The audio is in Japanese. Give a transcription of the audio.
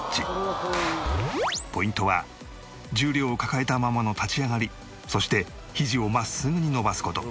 ポイントは重量を抱えたままの立ち上がりそして肘を真っすぐに伸ばす事。